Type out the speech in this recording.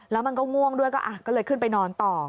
แล้วมันก็ง่วงด้วยก็เลยขึ้นไปนอนต่อ